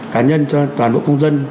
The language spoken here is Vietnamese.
cá nhân cho toàn bộ công dân